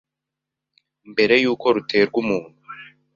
mbere y'uko ruterwa umuntu.